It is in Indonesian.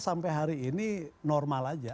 sampai hari ini normal aja